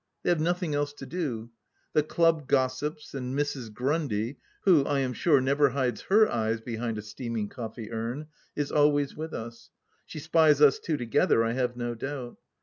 They have nothing else to do. The club gossips and Mrs. Grundy — ^who, I am sure, never hides her eyes behind a steaming eoftee um— is always with us. She spies us two together, I have no doubt.